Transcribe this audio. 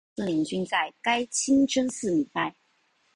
当时附近的回部穆斯林均在该清真寺礼拜。